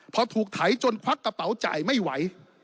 พอถูกไถจนควักกระเป๋าจ่ายไม่ไหว